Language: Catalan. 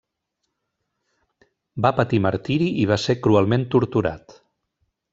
Va patir martiri i va ser cruelment torturat.